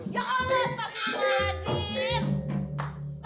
ya allah pas mau lagi